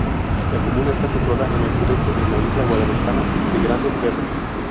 La comuna está situada en el sureste de la isla guadalupana de Grande-Terre.